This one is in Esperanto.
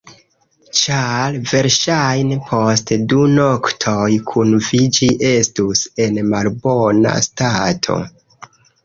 Ĉar verŝajne post du noktoj kun vi ĝi estus en malbona stato.